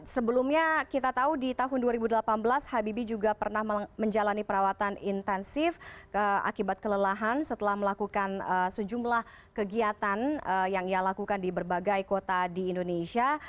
sebelumnya kita tahu di tahun dua ribu delapan belas habibie juga pernah menjalani perawatan intensif akibat kelelahan setelah melakukan sejumlah kegiatan yang ia lakukan di berbagai kota di indonesia